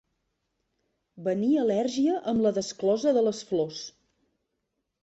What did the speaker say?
Venir al·lèrgia amb la desclosa de les flors.